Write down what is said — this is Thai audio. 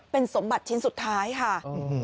เป็นสมบัติชิ้นสุดท้ายค่ะ